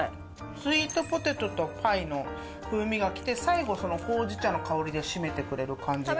スイートポテトとパイの風味が来て最後ほうじ茶の香りで締めてくれる感じが。